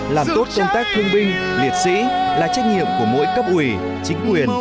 làm tốt công tác thương binh liệt sĩ là trách nhiệm của mỗi cấp ủy chính quyền